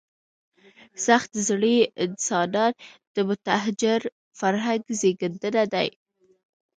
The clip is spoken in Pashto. سخت زړي انسانان د متحجر فرهنګ زېږنده دي.